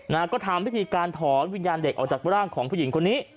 นะฮะก็ทำพิธีการถอนวิญญาณเด็กออกจากร่างของผู้หญิงคนนี้